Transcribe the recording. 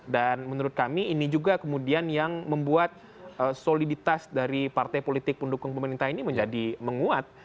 dan menurut kami ini juga kemudian yang membuat soliditas dari partai politik pendukung pemerintah ini menjadi menguat